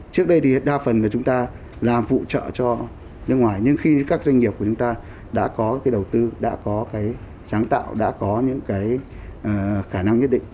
trước đây đa phần chúng ta làm phụ trợ cho nước ngoài nhưng khi các doanh nghiệp của chúng ta đã có đầu tư đã có sáng tạo đã có những khả năng nhất định